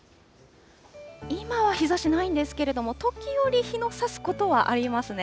今は日ざしないんですけれども、時折、日のさすことはありますね。